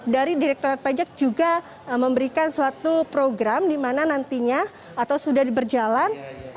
dari direktur pajak juga memberikan suatu program dimana nantinya atau sudah diberjalan